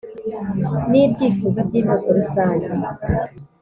N Ibyifuzo By Inteko Rusange